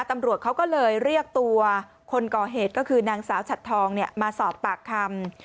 ตำรวจเขาก็เลยเรียกตัวคนก่อเหตุก็คือนางสาวฉัดทองมาสอบปากคำ